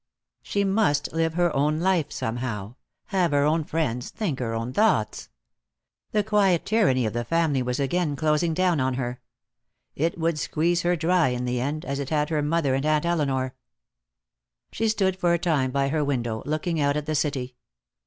She must live her own life, somehow; have her own friends; think her own thoughts. The quiet tyranny of the family was again closing down on her. It would squeeze her dry, in the end, as it had her mother and Aunt Elinor. She stood for a time by her window, looking out at the city.